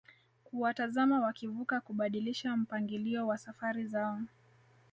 kuwatazama wakivuka kubadilisha mpangilio wa safari zao